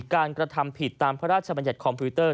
กระทำผิดตามพระราชบัญญัติคอมพิวเตอร์